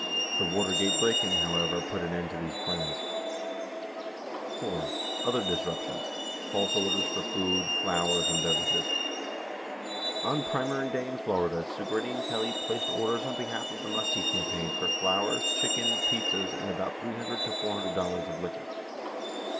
The Watergate break in, however, put an end to these plans. (iv) Other Disruptions. — False Orders for Food , Flowers , and Beverages. — On primary day in Florida, Segretti and Kelly placed orders on behalf of the Muskie campaign for flowers, chicken, pizzas, and about $300 $400 of liquor.